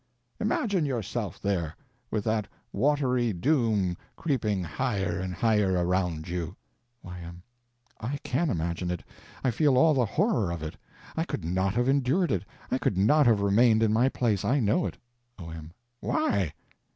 Imagine yourself there, with that watery doom creeping higher and higher around you. Y.M. I can imagine it. I feel all the horror of it. I could not have endured it, I could not have remained in my place. I know it. O.M. Why?